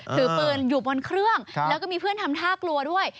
ถือปืนอยู่บนเครื่องแล้วก็มีเพื่อนทำท่ากลัวด้วย